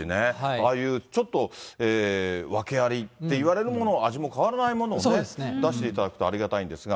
ああいうちょっと、訳ありっていわれるものを、味も変わらないものをね、出していただくとありがたいんですが。